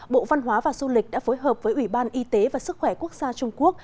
bộ văn hóa và du lịch đã phối hợp với ủy ban y tế và sức khỏe quốc gia trung quốc